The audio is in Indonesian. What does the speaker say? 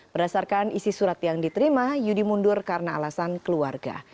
berdasarkan isi surat yang diterima yudi mundur karena alasan keluarga